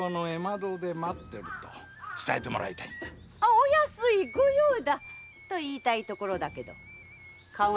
お安いご用だ！と言いたいところだけど顔が怖いよ。